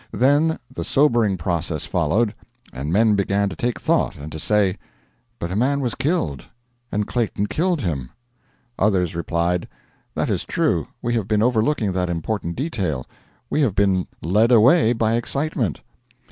Then the sobering process followed, and men began to take thought, and to say: 'But a man was killed, and Clayton killed him.' Others replied: 'That is true: we have been overlooking that important detail; we have been led away by excitement.'